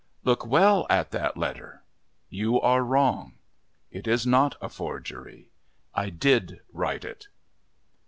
"Look well at that letter. You are wrong. It is not a forgery. I did write it."